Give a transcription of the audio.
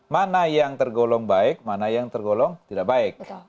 mana yang tergolong baik mana yang tergolong tidak baik